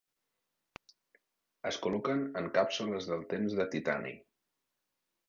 Es col·loquen en càpsules del temps de titani.